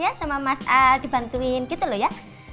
ya sama mas a dibantuin gitu loh ya